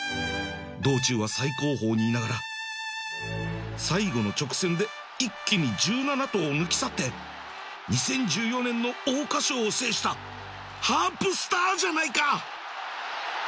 道中は最後方にいながら最後の直線で一気に１７頭を抜き去って２０１４年の桜花賞を制したハープスターじゃないか